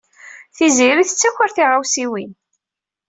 Tiziri tettaker tiɣawsiwin.